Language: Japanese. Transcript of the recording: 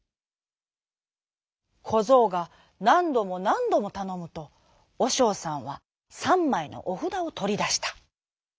こぞうがなんどもなんどもたのむとおしょうさんはさんまいのおふだをとりだした。